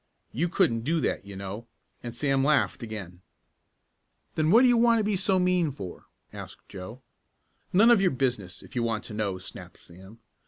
You couldn't do that you know," and Sam laughed again. "Then what do you want to be so mean for?" asked Joe. "None of your business, if you want to know," snapped Sam.